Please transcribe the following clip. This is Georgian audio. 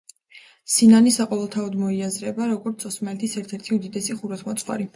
სინანი საყოველთაოდ მოიაზრება, როგორც ოსმალეთის ერთ-ერთი უდიდესი ხუროთმოძღვარი.